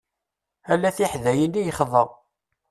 Ala tiḥdayin i yexḍa.